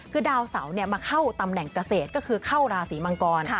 คือดาวเสามาเข้าตำแหน่งเกษตรก็คือเข้าราศีมังกร